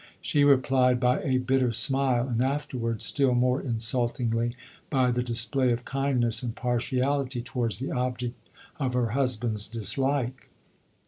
She replied by a bitter smile, and after wards still more insultingly, by the display of kindness and partiality towards the object of her husband's dislike.